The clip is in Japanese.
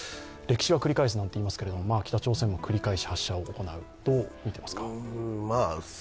歴史は繰り返すなんていいますけれども、北朝鮮が繰り返し発射を行う、どう見ていますか？